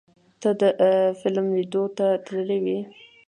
ته د فلم لیدو ته تللی وې؟